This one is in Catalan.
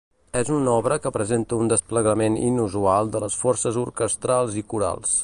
És una obra que presenta un desplegament inusual de les forces orquestrals i corals.